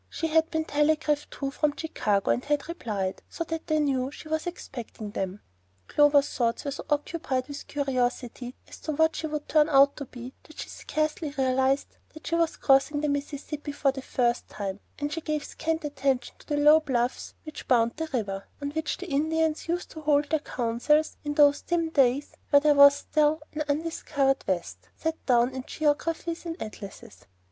She had been telegraphed to from Chicago, and had replied, so that they knew she was expecting them. Clover's thoughts were so occupied with curiosity as to what she would turn out to be, that she scarcely realized that she was crossing the Mississippi for the first time, and she gave scant attention to the low bluffs which bound the river, and on which the Indians used to hold their councils in those dim days when there was still an "undiscovered West" set down in geographies and atlases.